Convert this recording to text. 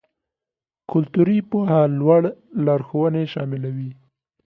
کلتوري پوهه لوړ لارښوونې شاملوي.